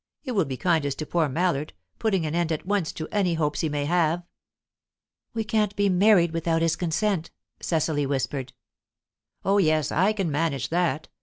It will be kindest to poor Mallard, putting an end at once to any hopes he may have." "We can't be married without his consent," Cecily whispered. "Oh yes; I can manage that.